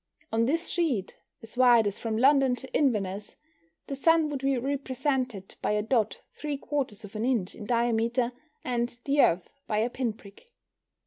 On this sheet, as wide as from London to Inverness, the Sun would be represented by a dot three quarters of an inch in diameter, and the Earth by a pin prick.